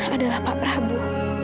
adalah pak prabu